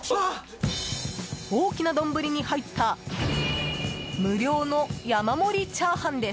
大きな丼に入った無料の山盛りチャーハンです。